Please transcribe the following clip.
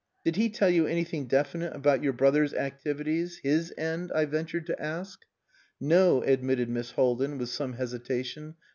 "Did he tell you anything definite about your brother's activities his end?" I ventured to ask. "No," admitted Miss Haldin, with some hesitation.